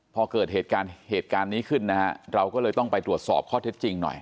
พอเกิดเหตุการณ์เหตุการณ์นี้ขึ้นนะฮะเราก็เลยต้องไปตรวจสอบข้อเท็จจริงหน่อย